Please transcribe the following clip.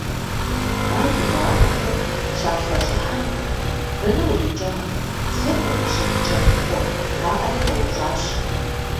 Ар дыгъуакӀуэхэм щалъэщӀыхьэм: - Дэнэ укъикӀа? сыт укъыщӀыткӀэлъыкӀуэр? – жаӀэри къеупщӀащ.